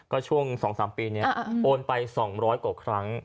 ก็ช่วง๒๓ปีนี้โอนไป๒๐๐กว่าครั้ง